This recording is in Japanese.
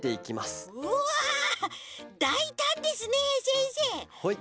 うわだいたんですねせんせい。